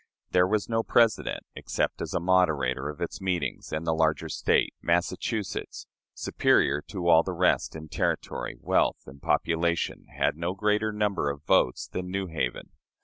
There was no president, except as a moderator of its meetings, and the larger State, Massachusetts, superior to all the rest in territory, wealth, and population, had no greater number of votes than New Haven.